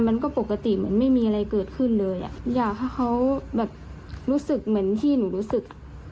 มันก็ปกติเหมือนไม่มีอะไรเกิดขึ้นเลยอ่ะอยากให้เขาแบบรู้สึกเหมือนที่หนูรู้สึกอ่ะ